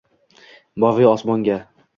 Moviy osmonga